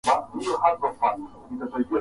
Koti la baba.